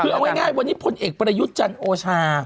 คือเอาง่ายวันนี้พลเอกประยุทธ์จันทร์โอชา